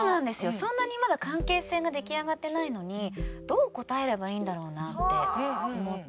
そんなにまだ関係性が出来上がってないのにどう答えればいいんだろうなって思って。